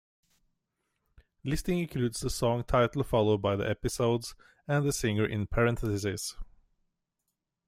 Listing includes the song title followed by the episodes and the singer in parentheses.